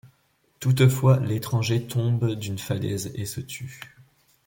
Toutefois, l'étranger tombe d'une falaise et se tue.